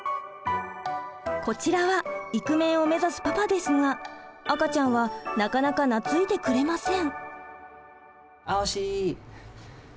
こちらはイクメンを目指すパパですが赤ちゃんはなかなか懐いてくれません。